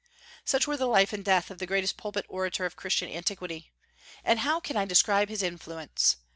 Such were the life and death of the greatest pulpit orator of Christian antiquity. And how can I describe his influence?